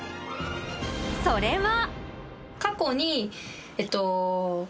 それは？